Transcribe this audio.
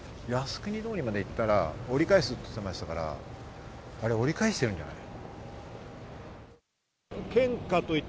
靖国通りまで行ったら折り返すと言っていましたから、あれ、折り返しているんじゃない？